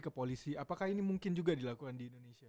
ke polisi apakah ini mungkin juga dilakukan di indonesia